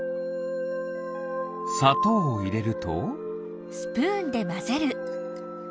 さとうをいれると。